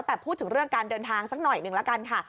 แต่พูดถึงเรื่องการเดินทางสักหน่อยหนึ่งละกันค่ะ